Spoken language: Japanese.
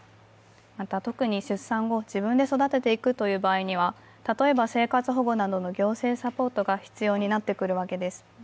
また、特に出産後、自分で育てていく場合は例えば生活保護などの行政サポートが必要になってくるわけです。